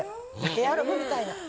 エアロビみたいな。